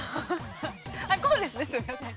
こうですね、すみません。